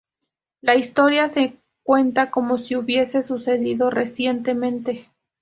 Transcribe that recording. La historia se cuenta como si hubiese sucedido recientemente.